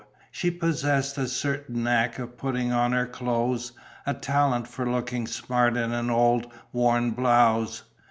She possessed a certain knack of putting on her clothes, a talent for looking smart in an old, worn blouse.